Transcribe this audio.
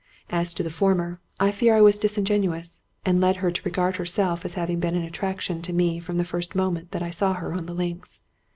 As to the former, I fear I was disingenuous, and led her to regard herself as having been an attraction to me from the first moment that I saw her on the links.